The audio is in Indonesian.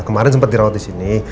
kemarin sempat dirawat di sini